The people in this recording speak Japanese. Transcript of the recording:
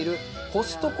コストコ？